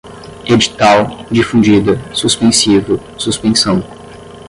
edital, difundida, suspensivo, suspensão